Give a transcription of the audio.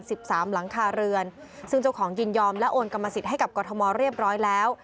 สิบสามหลังคาเรือนซึ่งเจ้าของยินยอมและโอนกรรมสิทธิ์ให้กับกรทมเรียบร้อยแล้ว